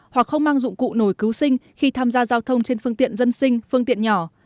hoặc không mang dụng cụ nổi cứu sinh khi tham gia giao thông trên phương tiện dân sinh phương tiện nhỏ